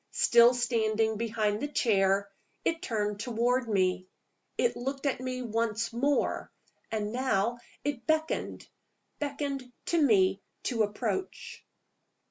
Still standing behind the chair, it turned toward me. It looked at me once more. And now it beckoned beckoned to me to approach.